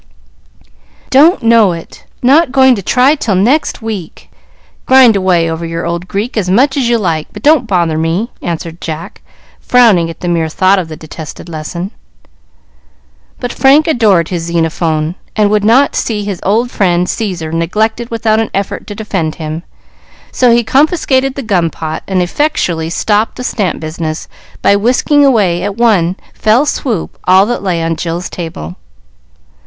"Don't know it. Not going to try till next week. Grind away over your old Greek as much as you like, but don't bother me," answered Jack, frowning at the mere thought of the detested lesson. But Frank adored his Xenophon, and would not see his old friend, Caesar, neglected without an effort to defend him; so he confiscated the gum pot, and effectually stopped the stamp business by whisking away at one fell swoop all that lay on Jill's table.